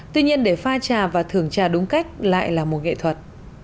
tuy nhiên để pha trà và thưởng trà đúng cách lại là một nghệ thuật